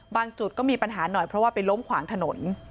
จุดก็มีปัญหาหน่อยเพราะว่าไปล้มขวางถนน